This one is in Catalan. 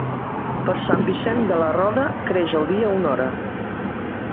Per Sant Vicent de la Roda creix el dia una hora.